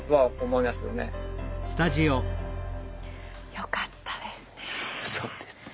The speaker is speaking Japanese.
よかったですね。